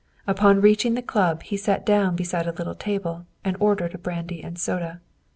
Upon reaching the Club he sat down beside a little table and ordered a brandy and soda.